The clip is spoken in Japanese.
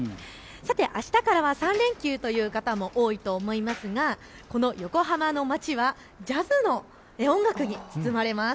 あしたからは３連休という方も多いと思いますが横浜の街はジャズの音楽に包まれます。